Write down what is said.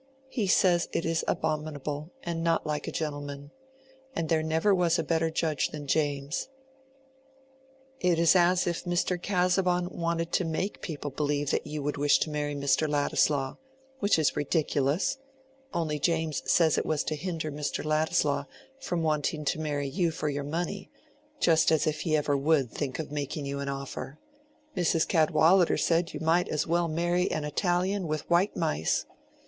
He says it is abominable, and not like a gentleman. And there never was a better judge than James. It is as if Mr. Casaubon wanted to make people believe that you would wish to marry Mr. Ladislaw—which is ridiculous. Only James says it was to hinder Mr. Ladislaw from wanting to marry you for your money—just as if he ever would think of making you an offer. Mrs. Cadwallader said you might as well marry an Italian with white mice!